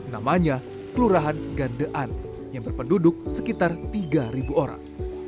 namanya kelurahan gandean yang berpenduduk sekitar tiga orang